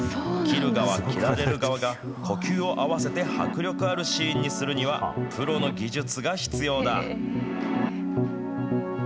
切る側、切られる側が呼吸を合わせて迫力あるシーンにするには、プロの技術が必要だ。